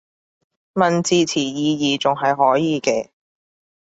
問字詞意義仲係可以嘅